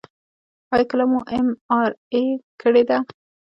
ایا کله مو ام آر آی کړې ده؟